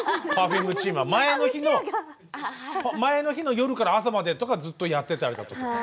Ｐｅｒｆｕｍｅチームは前の日の夜から朝までとかずっとやってたりだとか。